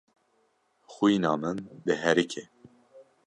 Xwîna min diherike.